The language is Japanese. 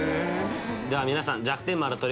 では皆さん。